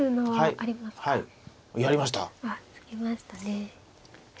はい。